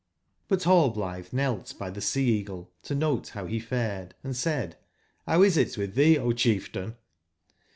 But Hallblitbe knelt by the Sea /eagle to note bow be fared, and said :Row is it witb tbee, O cbief tain